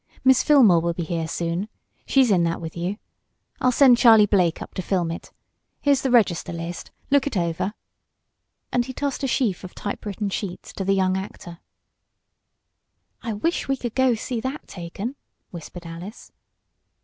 Miss Fillmore will be here soon. She's in that with you. I'll send Charlie Blake up to film it. Here's the "register" list look it over," and he tossed a sheaf of typewritten sheets to the young actor. "I wish we could go see that taken," whispered Alice.